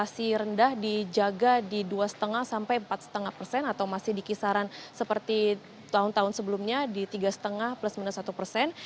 masih rendah dijaga di dua lima sampai empat lima persen atau masih di kisaran seperti tahun tahun sebelumnya di tiga lima plus minus satu persen